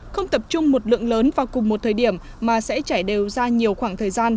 không tập trung một lượng lớn vào cùng một thời điểm mà sẽ chảy đều ra nhiều khoảng thời gian